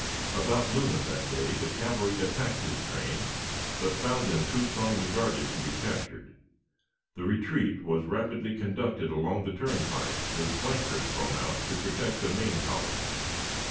About noon of that day the cavalry attacked his trains, but found them too strongly guarded to be captured. The retreat was rapidly conducted along the turnpike, with flankers thrown out to protect the main column.